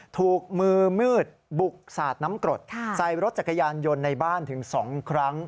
ถูกมือมืดบุกสาดน้ำกรดใส่รถจักรยานยนต์ในบ้านถึง๒ครั้ง